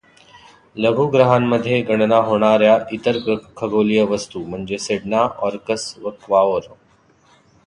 लघुग्रहांमध्ये गणना होणार् या इतर खगोलीय वस्तू म्हणजे सेडना, ऑर्कस व क्वाओर.